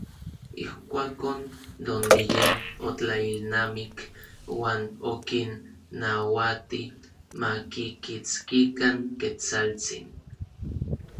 Ijkuakon, Don Guillén otlailnamik uan okinnauati makikitskikan Ketsaltsin.